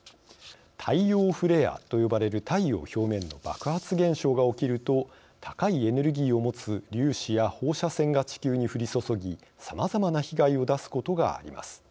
太陽フレアと呼ばれる太陽表面の爆発現象が起きると高いエネルギーを持つ粒子や放射線が地球に降り注ぎさまざまな被害を出すことがあります。